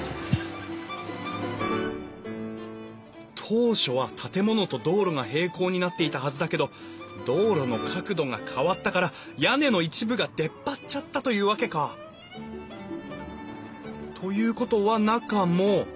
当初は建物と道路が平行になっていたはずだけど道路の角度が変わったから屋根の一部が出っ張っちゃったというわけか。ということは中も。